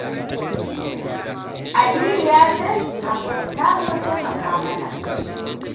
Aliyu ya ce Hamsatu ta so taimaka mana.